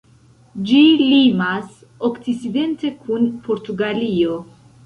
Ĝi limas okcidente kun Portugalio.